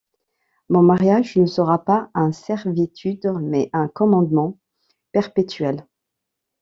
Mon mariage ne sera pas une servitude, mais un commandement perpétuel.